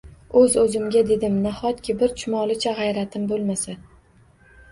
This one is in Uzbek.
Oʻz-oʻzimga dedim: “Nahotki, bir chumolicha gʻayratim boʻlmasa?!”